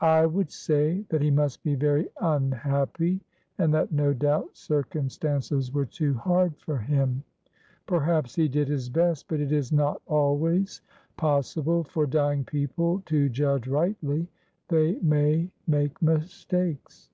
"I would say that he must be very unhappy, and that no doubt circumstances were too hard for him. Perhaps he did his best; but it is not always possible for dying people to judge rightly, they may make mistakes."